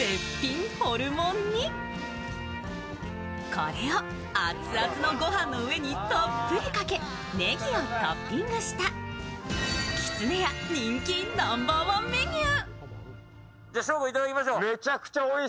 これを熱々のご飯のうえにたっぷりかけねぎをトッピングした、きつねや人気ナンバーワンメニュー。